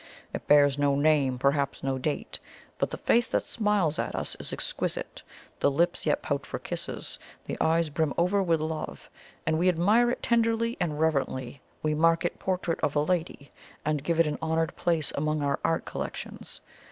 It bears no name perhaps no date but the face that smiles at us is exquisite the lips yet pout for kisses the eyes brim over, with love! And we admire it tenderly and reverently we mark it 'Portrait of a lady,' and give it an honoured place among our art collections.